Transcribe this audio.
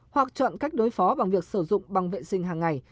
hoặc chọn cách đối phó bằng việc sử dụng bằng vệ sinh hàng ngày